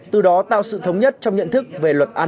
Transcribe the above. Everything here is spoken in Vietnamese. từ đó tạo sự thống nhất trong nhận thức về luật an ninh mạng